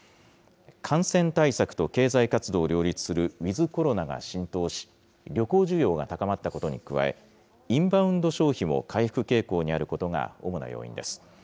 感染対策と経済活動を両立するウィズコロナが浸透し、旅行需要が高まったことに加え、インバウンド消費も回復傾向にあることが主な要因です。